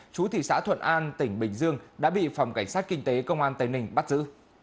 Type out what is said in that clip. chú thị xã thuận an tỉnh bình dương đã bị phòng cảnh sát kinh tế công an tây ninh bắt giữ